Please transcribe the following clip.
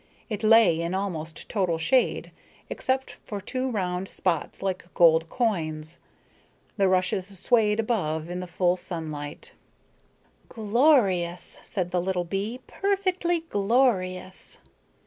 It lay in almost total shade, except for two round spots like gold coins; the rushes swayed above in the full sunlight. "Glorious," said the little bee, "perfectly glorious."